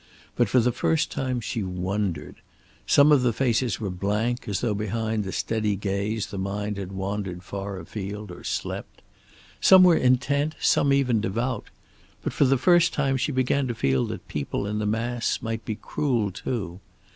But for the first time she wondered. Some of the faces were blank, as though behind the steady gaze the mind had wandered far afield, or slept. Some were intent, some even devout. But for the first time she began to feel that people in the mass might be cruel, too.